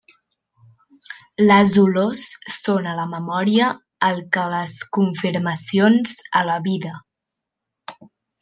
Les olors són a la memòria el que les confirmacions a la vida.